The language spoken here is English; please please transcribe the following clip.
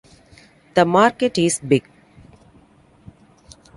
The market is big.